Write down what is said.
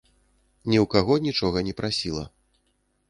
Ні ў каго нічога не прасіла!